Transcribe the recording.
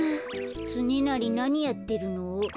つねなりなにやってるの？